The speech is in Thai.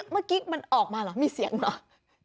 เมื่อกี้มันออกมาเหรอมีเสียงเหรอ